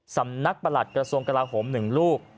สำนักประหลัดกระทรวงกระลาฮม๑ลูก